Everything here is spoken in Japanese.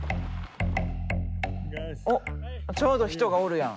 おっちょうど人がおるやん。